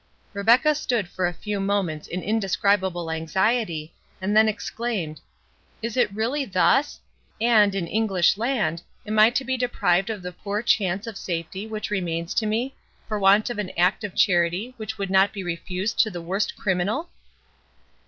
Rebecca stood for a few moments in indescribable anxiety, and then exclaimed, "Is it really thus?—And, in English land, am I to be deprived of the poor chance of safety which remains to me, for want of an act of charity which would not be refused to the worst criminal?"